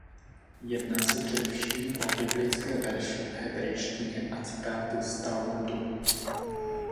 Jedná se především o biblické verše v hebrejštině a citáty z Talmudu.